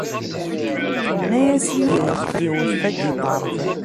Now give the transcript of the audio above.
Tenna-as i Yuba ad iwet tagiṭart.